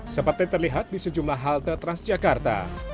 seperti terlihat di sejumlah halte transjakarta